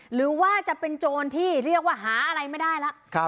หรือว่าจะเป็นโจรที่เรียกว่าหาอะไรไม่ได้แล้ว